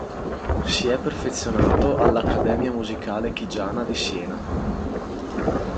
Si è perfezionato all'Accademia musicale Chigiana di Siena.